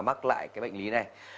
bắt lại cái bệnh lý này